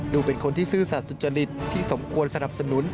เป็นคนที่ซื่อสัตว์สุจริตที่สมควรสนับสนุน